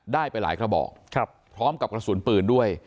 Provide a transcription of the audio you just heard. ได้ไปหลายกระบอกพร้อมกับกระสุนปืนด้วย